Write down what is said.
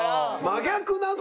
真逆なの？